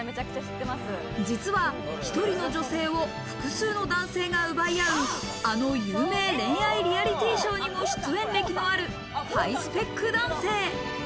実は、１人の女性を複数の男性が奪い合う、あの有名恋愛リアリティーショーにも出演歴のある、ハイスペック男性。